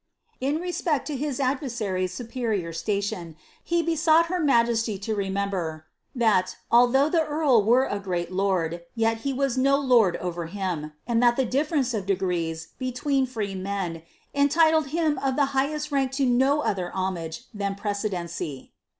In respect to his adversary's superior station, he be ■ought her majesty to remember, " that, although the earl were a grtal loid, yet was he no lord over him, and that the dilTerence of degrees between free men entitled him of the highest rank to no other homage than precedency."